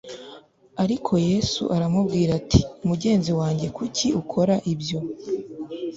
ariko yesu aramubwira ati “ mugenzi wanjye kuki ukoze ibyo